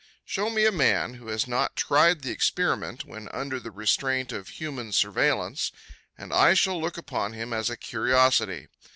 Show me a man who has not tried the experiment, when under the restraint of human surveillance, and I shall look upon him as a curiosity.